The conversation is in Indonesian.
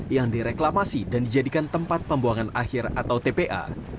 yang direklamasi dan dijadikan tempat pembuangan akhir atau tpa